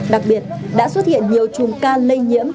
đặc biệt đã xuất hiện nhiều chùm ca lây nhiễm